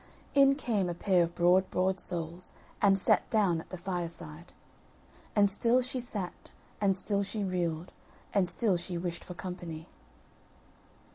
In came a pair of broad broad soles, and sat down at the fireside; And still she sat, and still she reeled, and still she wished for company.